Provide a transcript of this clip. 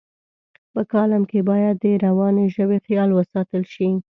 په کالم کې باید د روانې ژبې خیال وساتل شي.